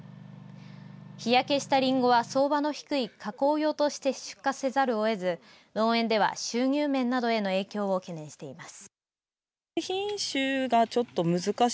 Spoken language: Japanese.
日焼けしたりんごは相場の低い加工用として出荷せざるを得ず農園では収入面などへの影響を懸念しています。